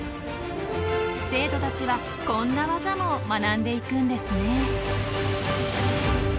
生徒たちはこんなワザも学んでいくんですね。